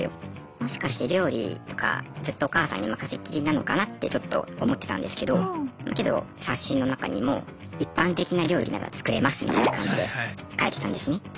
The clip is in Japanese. もしかして料理とかずっとお母さんに任せっきりなのかなってちょっと思ってたんですけどけど冊子の中にも一般的な料理なら作れますみたいな感じで書いてたんですね。